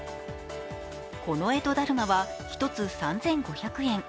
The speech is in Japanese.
この干支だるまは１つ３５００円。